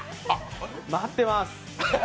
待ってます。